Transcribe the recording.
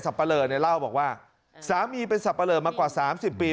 ปะเลอเนี่ยเล่าบอกว่าสามีเป็นสับปะเลอมากว่า๓๐ปี